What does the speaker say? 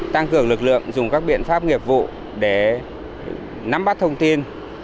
tăng cường lực lượng dùng các biện pháp nghiệp vụ để nắm bắt thông tin